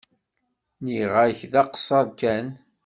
Nniɣ-ak d aqeṣṣer kan.